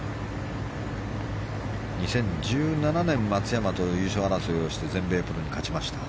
２０１７年松山と優勝争いをして全米プロに勝ちました。